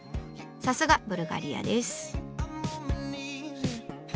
さすがブルガリアです。